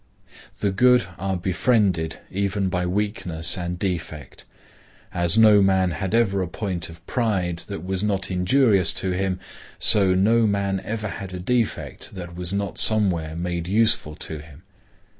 The good are befriended even by weakness and defect. As no man had ever a point of pride that was not injurious to him, so no man had ever a defect that was not somewhere made useful to him.